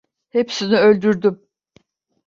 Hepsini öldürdüm.